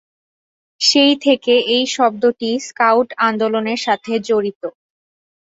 সেই থেকে এই শব্দটি স্কাউট আন্দোলনের সাথে জড়িত।